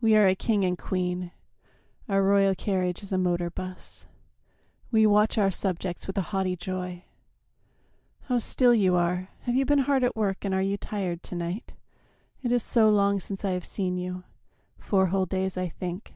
We are a king and queen, Our royal carriage is a motor bus, We watch our subjects with a haughty joy. ... How still you are! Have you been hard at work And are you tired to night? It is so long Since I have seen you four whole days, I think.